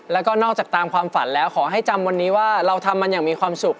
แล้วก็นอกจากตามความฝันแล้วขอให้จำวันนี้ว่าเราทำมันอย่างมีความสุข